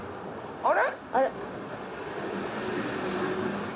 あれ！？